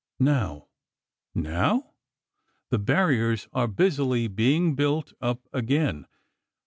Now ..." "Now ...?" "The barriers are busily being built up again.